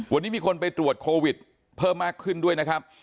วันนี้มีคนไปตรวจโควิดเพิ่มมากขึ้นด้วยนะครับ